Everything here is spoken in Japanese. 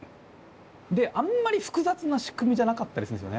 であんまり複雑な仕組みじゃなかったりするんすよね